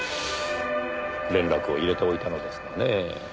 連絡を入れておいたのですがねぇ。